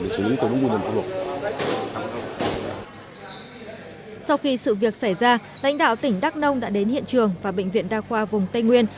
sau khi sự việc xảy ra lãnh đạo tỉnh đắk nông đã đến hiện trường và bệnh viện đa khoa vùng tây nguyên